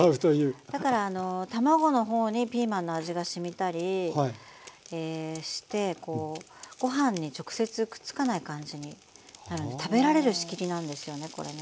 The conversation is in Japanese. はいだからあの卵のほうにピーマンの味がしみたりしてご飯に直接くっつかない感じになるんで食べられる仕切りなんですよねこれね。